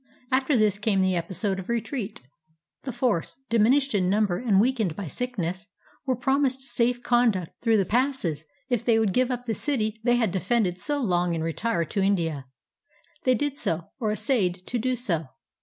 After this came the episode of retreat. The force, diminished in number and weakened by sickness, were promised safe conduct through the passes if they would give up the city they had defended so long and retire to India. They did so, or essayed to do so.